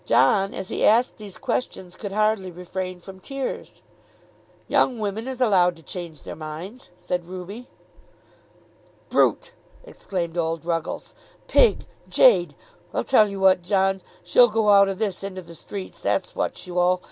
John as he asked these questions could hardly refrain from tears. "Young women is allowed to change their minds," said Ruby. "Brute!" exclaimed old Ruggles. "Pig! Jade! I'll tell'ee what, John. She'll go out o' this into the streets; that's what she wull.